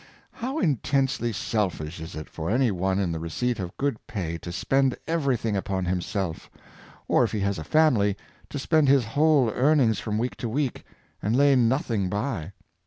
How intensely selfish is it for any one in the receipt of good pay to spend everything upon himself; or, if he has a family, to spend his whole earnings from week to week, and lay nothing by.